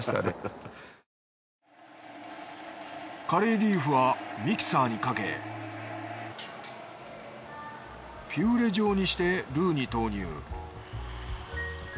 カレーリーフはミキサーにかけピューレ状にしてルーに投入